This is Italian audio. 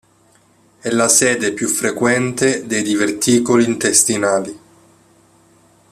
È la sede più frequente dei diverticoli intestinali.